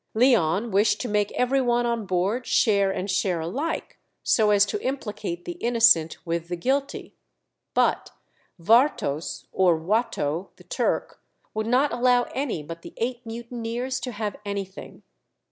Leon wished to make every one on board share and share alike, so as to implicate the innocent with the guilty; but Vartos, or Watto, the Turk, would not allow any but the eight mutineers to have anything.